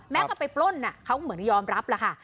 แม็กซ์ก็ไปปล้นเขาเหมือนยอมรับแล้วค่ะ